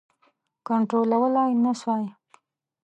کنټرولولای نه سوای.